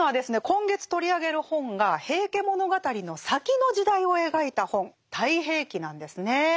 今月取り上げる本が「平家物語」の先の時代を描いた本「太平記」なんですね。